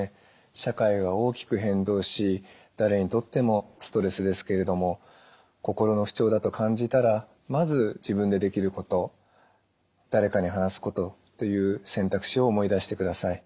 社会が大きく変動し誰にとってもストレスですけれども心の不調だと感じたらまず自分でできること誰かに話すことという選択肢を思い出してください。